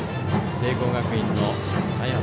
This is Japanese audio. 聖光学院の佐山。